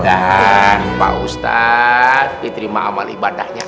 dan pak ustadz diterima amal ibadahnya